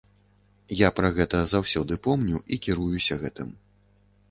Я пра гэта заўсёды помню і кіруюся гэтым.